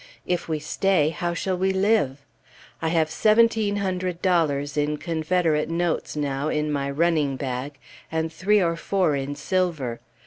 If we stay, how shall we live? I have seventeen hundred dollars in Confederate notes now in my "running bag," and three or four in silver.